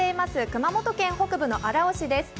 熊本県北部の荒尾市です。